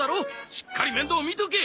しっかり面倒見とけ！